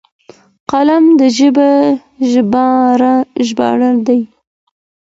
قلم د ژبې ژباړن دی.